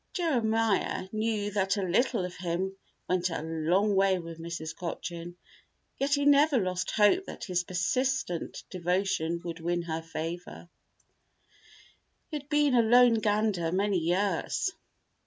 Jeremiah knew that a little of him went a long way with Mrs. Cochin, yet he never lost hope that his persistent devotion would win her favor. He had been a lone gander many years.